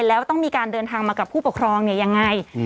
แล้วต้องมีการเดินทางมากับผู้ปกครองเนี่ยยังไง